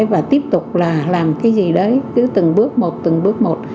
và tiếp tục là làm cái gì đấy cứ từng bước một từng bước một